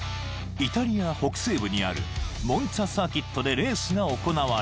［イタリア北西部にあるモンツァサーキットでレースが行われ］